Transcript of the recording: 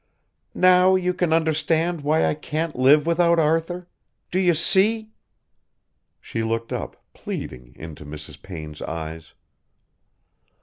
Now you can understand why I can't live without Arthur. Do you see?" She looked up, pleading, into Mrs. Payne's eyes.